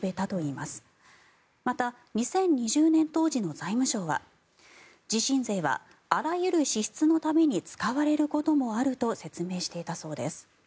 また、２０２０年当時の財務省は地震税はあらゆる支出のために使われることもあると説明していたそうです。